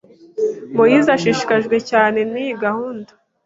Moise ashishikajwe cyane niyi gahunda.